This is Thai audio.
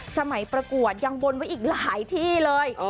ประกวดยังบนไว้อีกหลายที่เลย